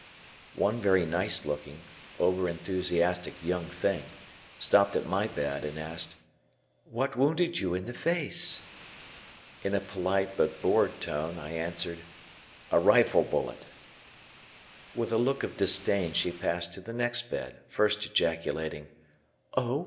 One very nice looking, over enthusiastic young thing, stopped at my bed and asked, "What wounded you in the face?" In a polite but bored tone I answered, "A rifle bullet." With a look of disdain she passed to the next bed, first ejaculating, "Oh!